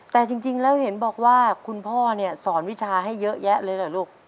แต่จริงแล้วเห็นบอกว่าคุณพ่อเนี่ยสอนวิชาให้เยอะแยะเลยเหรอลูก